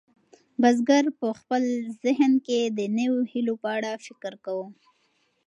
بزګر په خپل ذهن کې د نویو هیلو په اړه فکر کاوه.